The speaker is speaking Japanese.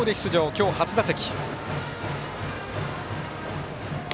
今日、初打席。